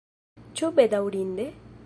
Ĉu bedaŭrinde?